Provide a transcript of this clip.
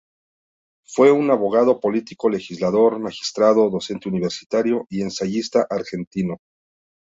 Fue un abogado, político, legislador, magistrado, docente universitario y ensayista argentino.